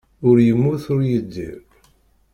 Ur yemmut ur yeddir.